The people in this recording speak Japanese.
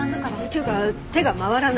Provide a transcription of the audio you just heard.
っていうか手が回らない。